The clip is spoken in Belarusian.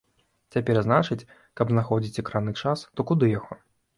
Цяпер, значыць, каб знаходзіць экранны час, то куды яго?